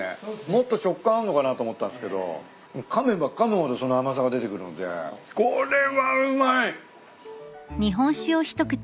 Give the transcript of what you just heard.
もっと食感あんのかなと思ったんすけどかめばかむほどその甘さが出てくるんでこれはうまい！